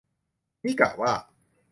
นี่กะว่า